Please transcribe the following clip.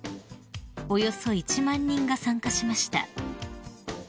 ［およそ１万人が参加しました］